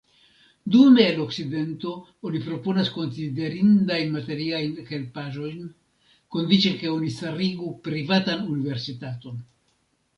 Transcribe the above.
Dume el Okcidento oni proponas konsiderindajn materiajn helpaĵojn, kondiĉe ke oni starigu privatan universitaton.